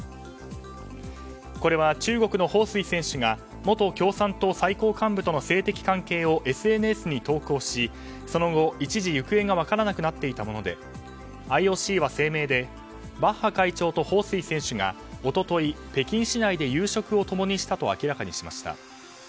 これは中国のホウ・スイ選手が元共産党最高幹部との性的関係をＳＮＳに投稿しその後、一時行方が分からなくなっていたものでＩＯＣは声明でバッハ会長とホウ・スイ選手が一昨日、北京市内で夕食を共にしたと明らかにしました。